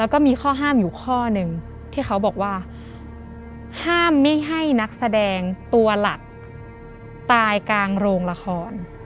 แล้วก็มีข้อห้ามอยู่ข้อหนึ่งที่เขาบอกว่าห้ามไม่ให้นักแสดงตัวหลักตายกลางโรงละคร